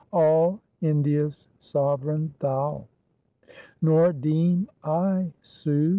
All India's sovereign Thou! Nor deem I sue.